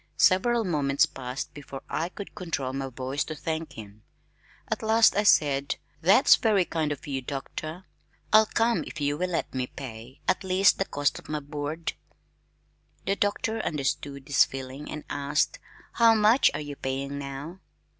Several moments passed before I could control my voice to thank him. At last I said, "That's very kind of you, Doctor. I'll come if you will let me pay at least the cost of my board." The Doctor understood this feeling and asked, "How much are you paying now?"